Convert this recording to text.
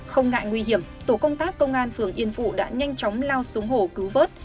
không ngại nguy hiểm tổ công tác công an phường yên phụ đã nhanh chóng lao xuống hồ cứu vớt